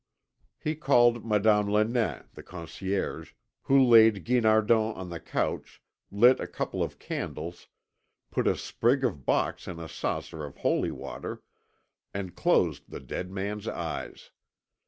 He called Madame Lenain, the concierge, who laid Guinardon on the couch, lit a couple of candles, put a sprig of box in a saucer of holy water, and closed the dead man's eyes.